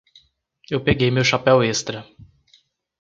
Eu peguei meu chapéu extra.